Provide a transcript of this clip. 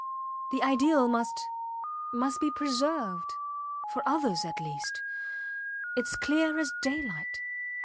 The ideal must must be preserved for others, at least. Its clear as daylight.